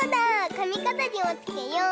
かみかざりもつけよう。